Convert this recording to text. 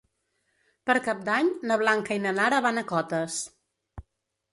Per Cap d'Any na Blanca i na Nara van a Cotes.